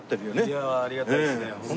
いやあありがたいですね。